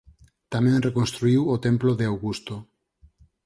Tamén reconstruíu o templo de Augusto.